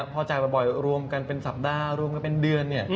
พอจ่ายบ่อยรวมกันเป็นสัปดาห์รวมกันเป็นเดือน